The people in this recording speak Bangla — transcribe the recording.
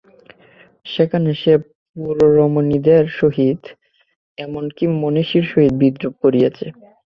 সেখানে সে পুররমণীদের সহিত, এমন কি, মহিষীর সহিত বিদ্রূপ করিয়াছে।